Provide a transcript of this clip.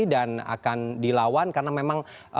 dan akan dilawan karena memang